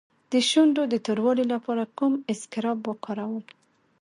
د شونډو د توروالي لپاره کوم اسکراب وکاروم؟